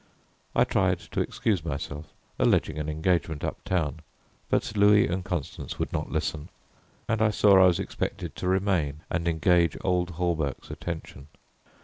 I tried to excuse myself, alleging an engagement uptown, but Louis and Constance would not listen, and I saw I was expected to remain and engage old Hawberk's attention.